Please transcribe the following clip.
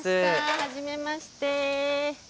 はじめまして。